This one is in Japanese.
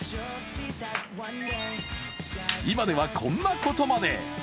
今では、こんなことまで。